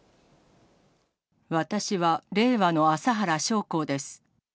私は令和の麻原彰晃です。